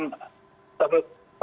nah itu ternyata berapa